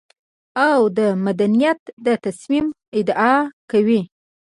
او د مدنيت د تصميم ادعا کوي.